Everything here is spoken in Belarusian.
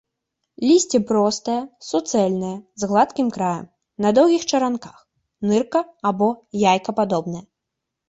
Лісце простае, суцэльнае, з гладкім краем, на доўгіх чаранках, нырка- або яйкападобнае.